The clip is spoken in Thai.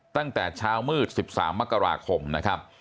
ตั้งแต่เช้ามืด๑๓มกราคมนะครับ